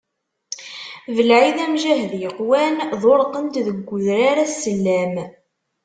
Belɛid amjahed yeqwan, Ḍurqen-t deg udrar At Sellam.